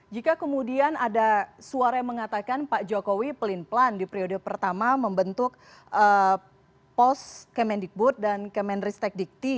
jika kemudian ada suara yang mengatakan pak jokowi pelin pelan di periode pertama membentuk pos kemendikbud dan kemenristek dikti